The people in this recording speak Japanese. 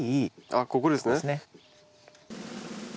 あっここですね。